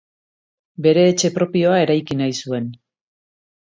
Bere etxe propioa eraiki nahi zuen.